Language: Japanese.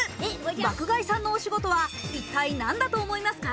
爆買いさんのお仕事は一体何だと思いますか？